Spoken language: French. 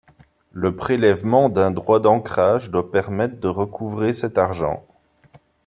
Le prélèvement d'un droit d'ancrage doit permettre de recouvrer cet argent.